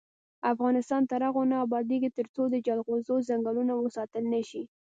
افغانستان تر هغو نه ابادیږي، ترڅو د جلغوزو ځنګلونه وساتل نشي.